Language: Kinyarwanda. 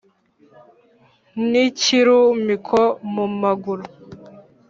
n'ikiru miko mu maguru